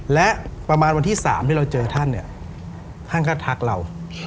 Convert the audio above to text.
และประมาณวันที่๓ที่เราเจอท่านเนี่ยท่านก็ทักเรา